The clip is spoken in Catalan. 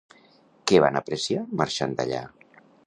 Què van apreciar marxant d'allà?